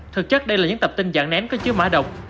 thực chất đây là những tập tin dạng ném có chứa mã độc